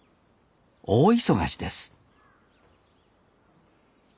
大忙しです